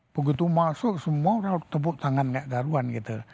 begitu masuk semua udah tepuk tangan kayak daruan gitu